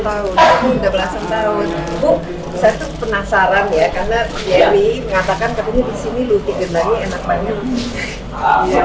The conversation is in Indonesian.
lima belas tahun ibu saya tuh penasaran ya karena yemi mengatakan katanya di sini lute getangnya enak banget